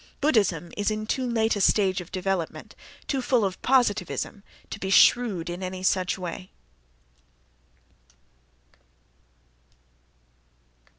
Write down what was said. —Buddhism is in too late a stage of development, too full of positivism, to be shrewd in any such way.